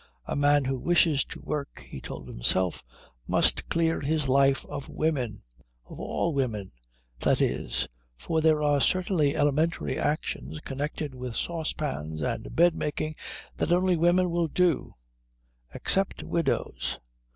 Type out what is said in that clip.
A man who wishes to work, he told himself, must clear his life of women; of all women, that is for there are certain elementary actions connected with saucepans and bedmaking that only women will do except widows.